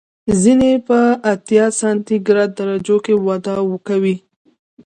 ځینې یې په اتیا سانتي ګراد درجو کې وده کوي.